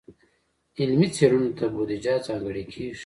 علمي څیړنو ته بودیجه ځانګړې کیږي.